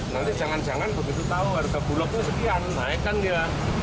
nanti jangan jangan begitu tahu harga bulognya sekian naikkan dia